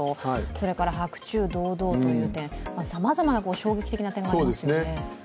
それから白昼堂々という点、さまざまな衝撃的な点がありますね。